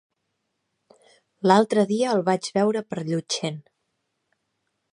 L'altre dia el vaig veure per Llutxent.